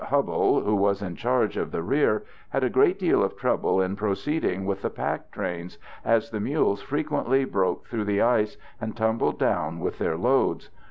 Hubbell, who was in charge of the rear, had a great deal of trouble in proceeding with the pack trains, as the mules frequently broke through the ice and tumbled down with their loads.